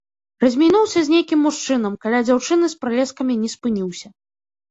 Размінуўся з нейкім мужчынам, каля дзяўчыны з пралескамі не спыніўся.